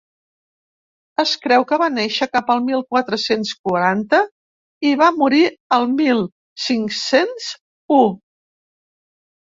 Es creu que va néixer cap al mil quatre-cents quaranta i va morir el mil cinc-cents u.